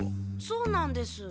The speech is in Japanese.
そうなんです。